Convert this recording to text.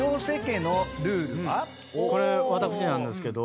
これ私なんですけど。